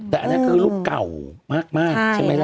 แต่อันนั้นคือรูปเก่ามากใช่ไหมล่ะ